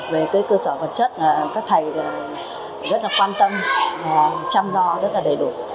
về cơ sở vật chất các thầy rất quan tâm chăm lo rất là đầy đủ